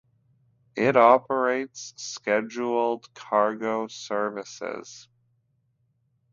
It operates scheduled cargo services.